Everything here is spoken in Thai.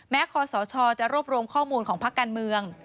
คอสชจะรวบรวมข้อมูลของพักการเมือง